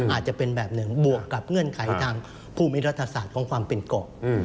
อาจจะเป็นแบบหนึ่งบวกกับเงื่อนไขทางภูมิรัฐศาสตร์ของความเป็นเกาะ